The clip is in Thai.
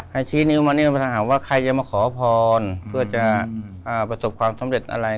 ให้ชี้นิ้วมานี่ว่าขอขอพรภ์เพื่อจะประสบความสำเร็จอะไร